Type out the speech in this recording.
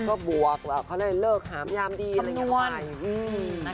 ก็บวกว่าเขาเล่นเลิกขามยามดีอะไรอย่างเงี้ยไป